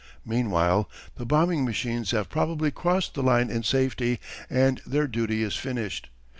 Meanwhile the bombing machines have probably crossed the line in safety, and their duty is finished.